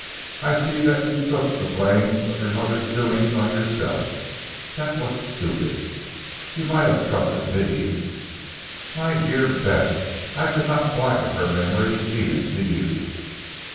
"I see that you took the blame of your mother's doings on yourself. That was stupid. You might have trusted me!" "My dear Bess, I could not blacken her memory, even to you.